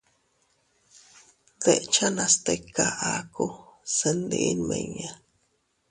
Dekchanas tika, aku se ndi nmiña.